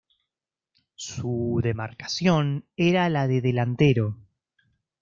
Su demarcación era la de delantero.